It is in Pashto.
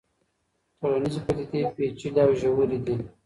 ټولنيزې پديدې پېچلې او ژورې دي.